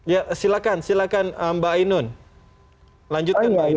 ya silakan silakan mbak ainun lanjutkan mbak ainun